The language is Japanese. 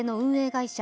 会社